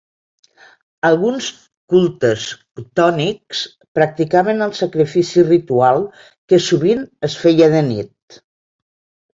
Alguns cultes ctònics practicaven el sacrifici ritual, que sovint es feia de nit.